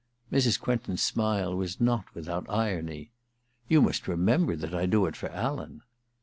Mrs. Quentin's smile was not without irony. * You must remember that I do it for Alan.'